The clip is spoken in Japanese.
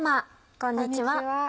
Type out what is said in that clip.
こんにちは。